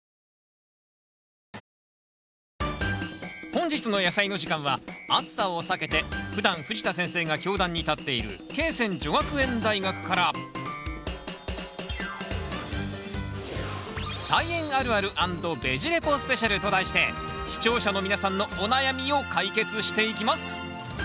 本日の「やさいの時間」は暑さをさけてふだん藤田先生が教壇に立っている恵泉女学園大学からと題して視聴者の皆さんのお悩みを解決していきます！